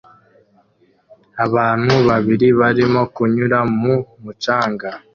Abantu babiri barimo kunyura mu mucanga